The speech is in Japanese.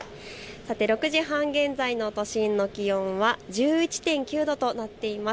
６時半現在の都心の気温は１１．９度となっています。